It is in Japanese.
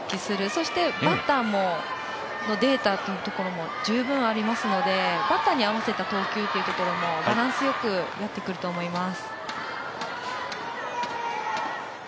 そして、バッターのデータというところも、十分ありますのでバッターに合わせた投球というところもバランス良くやってくると思います。